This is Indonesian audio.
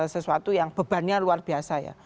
sesuatu yang bebannya luar biasa ya